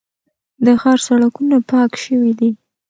د ښار سړکونه پاک شوي دي.